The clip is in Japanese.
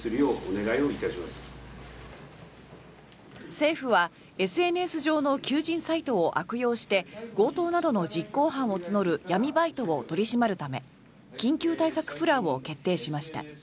政府はＳＮＳ上の求人サイトを悪用して強盗などの実行犯を募る闇バイトを取り締まるため緊急対策プランを決定しました。